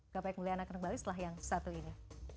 gak payah kembali kembali setelah yang satu ini